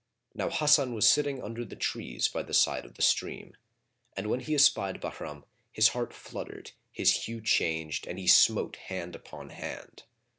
Now Hasan was sitting under the trees by the side of the stream; and when he espied Bahram, his heart fluttered,[FN#44] his hue changed and he smote hand upon hand.